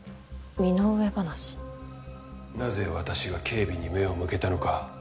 なぜ私が警備に目を向けたのか。